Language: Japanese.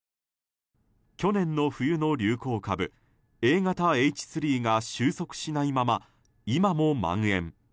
去年の冬の流行株Ａ型Ｈ３が収束しないまま今も蔓延。